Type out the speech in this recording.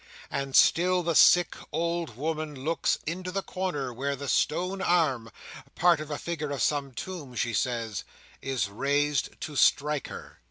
And still the sick old woman looks into the corner, where the stone arm—part of a figure of some tomb, she says—is raised to strike her.